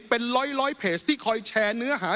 เป็นร้อยเพจที่คอยแชร์เนื้อหา